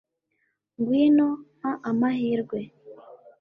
ngwino! mpa amahirwe